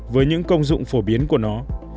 với những công dụng phổ biến của nó